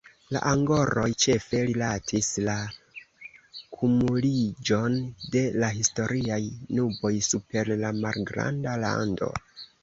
La angoroj ĉefe rilatis la kumuliĝon de la historiaj nuboj super la malgranda lando.